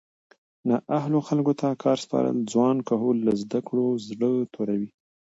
نااهلو خلکو ته کار سپارل ځوان کهول له زده کړو زړه توری کوي